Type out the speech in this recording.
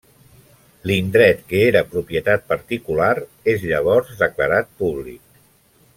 L'indret, que era propietat particular, és llavors declarat públic.